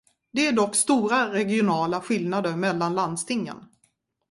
Det är dock stora regionala skillnader mellan landstingen.